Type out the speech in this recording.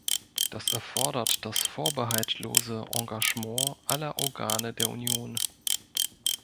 Das erfordert das vorbehaltlose Engagement aller Organe der Union.